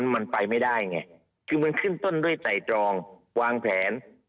มันไปไม่ได้ไงคือมันขึ้นต้นด้วยไตรตรองวางแผน